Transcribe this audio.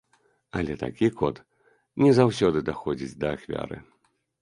Але такі код не заўсёды даходзіць да ахвяры.